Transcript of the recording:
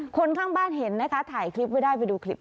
คนข้างบ้านเห็นนะคะถ่ายคลิปไว้ได้ไปดูคลิป